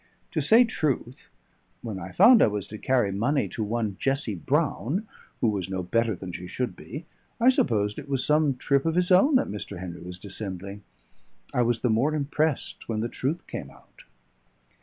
To say truth, when I found I was to carry money to one Jessie Broun, who was no better than she should be, I supposed it was some trip of his own that Mr. Henry was dissembling. I was the more impressed when the truth came out.